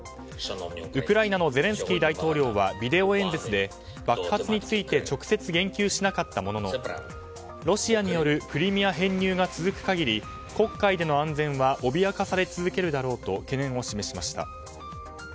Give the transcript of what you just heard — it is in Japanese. ウクライナのゼレンスキー大統領はビデオ演説で爆発について直接言及しなかったもののロシアによるクリミア編入が続く限り黒海での安全は脅かされ続けるだろうと懸念を示しました。